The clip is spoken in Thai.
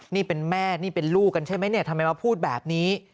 นี่เป็นแม่นี่เป็นลูกกันใช่ไหมเนี่ยทำไมมาพูดแบบนี้